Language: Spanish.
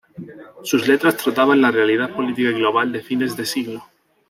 Sus letras trataban la realidad política y global de fines de siglo.